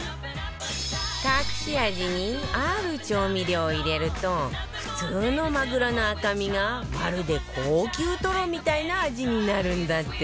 隠し味にある調味料を入れると普通のマグロの赤身がまるで高級トロみたいな味になるんだって